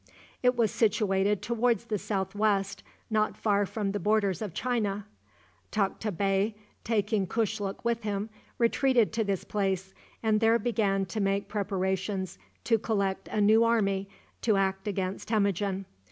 It was situated toward the southwest, not far from the borders of China. Tukta Bey, taking Kushluk with him, retreated to this place, and there began to make preparations to collect a new army to act against Temujin.